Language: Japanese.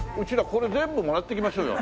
これ全部もらっていきましょうよ。